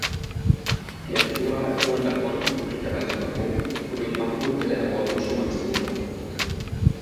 Die Entführer erfuhren davon - möglicherweise über Funk - wodurch Mahmud mit der Ermordung Schumanns drohte.